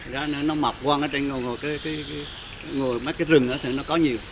giờ nó mập quan trên ngồi mất cái rừng đó thì nó có nhiều